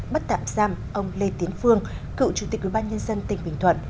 bắt tạm giam ông lê tiến phương cựu chủ tịch ubnd tỉnh bình thuận